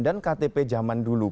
dan ktp zaman dulu